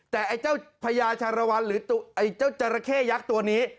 แต่ไอ้เจ้าพญาชารวรรณหรือไอ้เจ้าจราเข้ยักษ์ตัวนี้